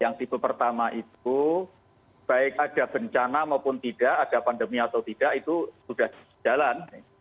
yang tipe pertama itu baik ada bencana maupun tidak ada pandemi atau tidak itu sudah jalan